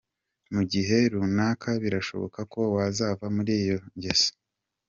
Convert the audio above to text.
mu gihe runaka birashoboka ko wazava muri iyo ngeso.